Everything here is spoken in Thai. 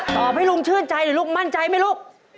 ตอบให้ลุงชื่นใจเลยลูกมั่นใจไหมลูก